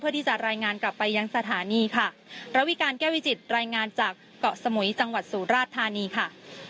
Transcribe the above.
ที่จะรายงานกลับไปยังสถานีค่ะระวิการแก้วิจิตรายงานจากเกาะสมุยจังหวัดสุราชธานีค่ะ